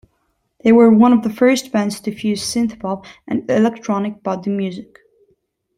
They were one of the first bands to fuse synthpop and electronic body music.